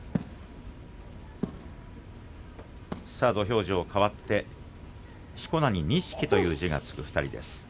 土俵上はかわってしこ名に錦という字がつく２人です。